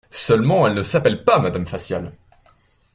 Seulement elle ne s'appelle pas Madame Facial.